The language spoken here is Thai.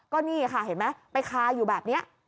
ก็นี่ค่ะเห็นไหมไปคาอยู่แบบนี้